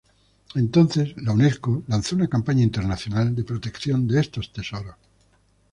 Entonces la Unesco lanzó una campaña internacional de protección de estos tesoros.